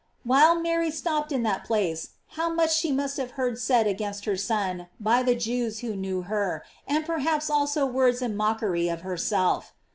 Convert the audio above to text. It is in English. While Mary stopped in that place how much she must have heard said against her Son by the Jews who knew her, and perhaps also words in mockery of herself!